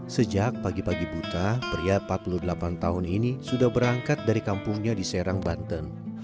sejak pagi pagi buta pria empat puluh delapan tahun ini sudah berangkat dari kampungnya di serang banten